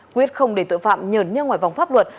quyết không để tội phạm nhờn nhơ ngoài vòng pháp luật